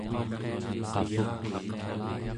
qapuk